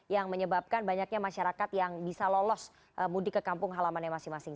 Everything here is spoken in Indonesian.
yang menyebabkan banyaknya masyarakat yang bisa lolos mudik ke kampung halamannya masing masing